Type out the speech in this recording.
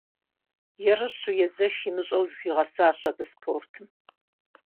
Ерыщу, езэш имыщӏэу зыхуигъэсащ абы спортым.